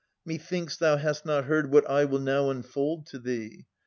Methinks thou hast not heard what I will now Unfold to thee.